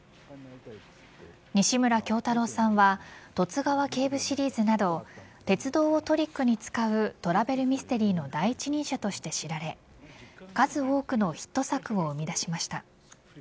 西村京太郎さんは「十津川警部」シリーズなど鉄道をトリックに使うトラベルミステリーの第一人者として知られ数多くのヒット作を生み出しました。